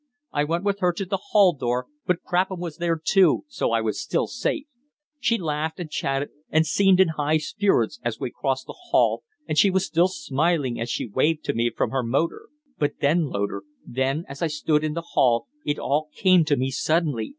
I went with her to the hall door, but Chapham was there too so I was still safe. She laughed and chatted and seemed in high spirits as we crossed the hall, and she was still smiling as she waved to me from her motor. But then, Loder then, as I stood in the hall, it all came to me suddenly.